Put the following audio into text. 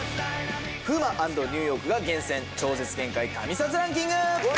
「風磨＆ニューヨークが厳選『超絶限界』神撮ランキング」おい。